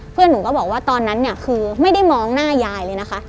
เพื่อนหนูก็บอกว่าตอนนั้นเนี่ยคือไม่ได้มองหน้ายายเลยนะคะ